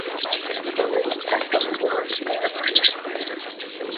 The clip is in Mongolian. Энэ үед залуус өрөөнд дайран орж ирсэн байлаа.